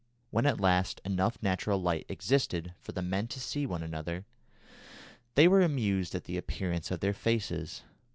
When at last enough natural light existed for the men to see one another, they were amused at the appearance of their faces.